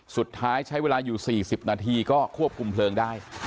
สุดท้ายใช้เวลาอยู่๔๐นาทีก็ควบคุมเพลิงได้